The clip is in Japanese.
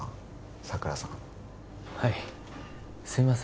佐倉さんはいすいません